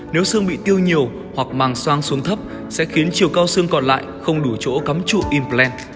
nếu xương bị tiêu nhiều hoặc màng soang xuống thấp sẽ khiến chiều cao xương còn lại không đủ chỗ cắm trụ impland